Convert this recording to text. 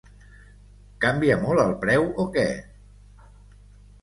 Canvia molt el preu o que?